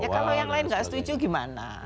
ya kalau yang lain gak setuju gimana